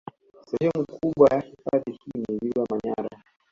Sehemu kubwa ya hifadhi hii ni ziwa Manyara